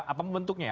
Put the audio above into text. apa membentuknya ya